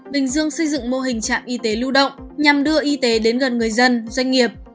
bình dương xây dựng mô hình trạm y tế lưu động nhằm đưa y tế đến gần người dân doanh nghiệp